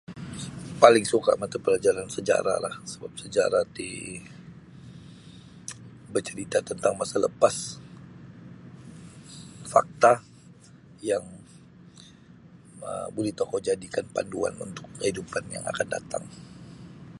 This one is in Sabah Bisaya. Paling suka mata pelajaran sejarah lah sabab sejarah ti bacarita tantang masa lepas fakta yang buli um tokou jadikan panduan untuk kehidupan yang akan datang.